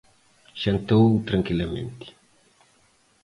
Xantou tranquilamente.